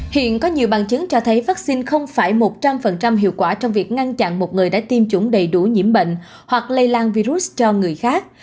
hiện có nhiều bằng chứng cho thấy vaccine không phải một trăm linh hiệu quả trong việc ngăn chặn một người đã tiêm chủng đầy đủ nhiễm bệnh hoặc lây lan virus cho người khác